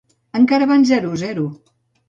Encara van zero a zero.